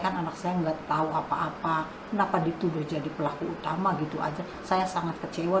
kan anak saya enggak tahu apa apa kenapa dituduh jadi pelaku utama gitu aja saya sangat kecewa